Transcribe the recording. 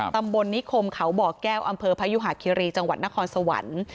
ตำบลนิคมเขาบ่อแก้วอำเภอพยุหาคิรีจังหวัดนครสวรรค์